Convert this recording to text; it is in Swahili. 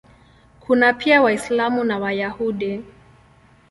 Kuna pia Waislamu na Wayahudi.